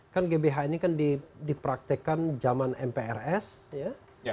kan gbh ini kan dipraktekkan zaman mprs ya